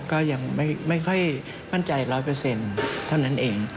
ก็ยังไม่ค่อยมั่นใจ๑๐๐เท่านั้นเอง